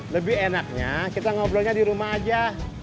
lebih enaknya kita ngobrolnya di rumah aja